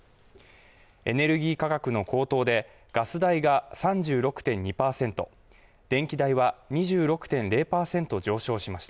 エネルギー価格の高騰でガス代が３６．２％電気代は２６．０％上昇しました